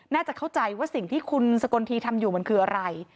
น่าจะเข้าใจว่าสิ่งที่คุณสกลทีทำอยู่มันคืออะไร